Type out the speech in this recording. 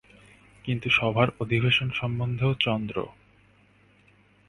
কিন্তু সভার অধিবেশন সম্বন্ধেও– চন্দ্র।